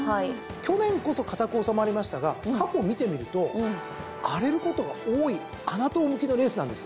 去年こそ堅く収まりましたが過去見てみると荒れることが多い穴党向きのレースなんですよ。